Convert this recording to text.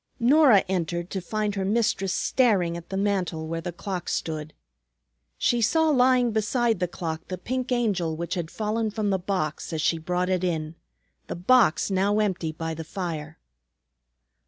Norah entered to find her mistress staring at the mantel where the clock stood. She saw lying beside the clock the pink Angel which had fallen from the box as she brought it in, the box now empty by the fire.